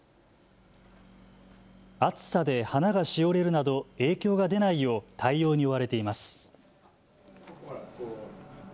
暑さで花がしおれるなど影響が出ないよう対応に追われています。